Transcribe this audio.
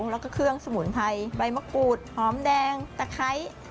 แล้วก็เครื่องสมุนไพรใบมะกรูดหอมแดงตะไคร้